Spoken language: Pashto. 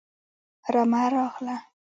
رمه راغله